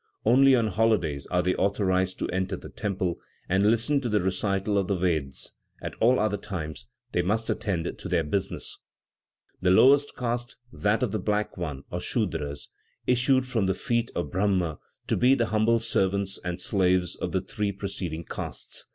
Only on holidays are they authorized to enter the temple and listen to the recital of the Vedas; at all other times they must attend to their business. The lowest caste, that of the black ones, or Sudras, issued from the feet of Brahma to be the humble servants and slaves of the three preceding castes.